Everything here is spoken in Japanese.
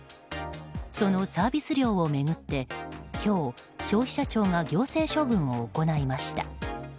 そのサービス料を巡って今日、消費者庁が行政処分を行いました。